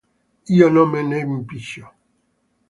Io non me ne impiccio.